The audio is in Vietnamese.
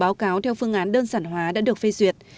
báo cáo theo phương án đơn giản hóa đã được phê duyệt